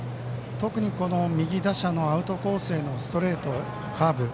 特に、右打者のアウトコースへのストレート、カーブ。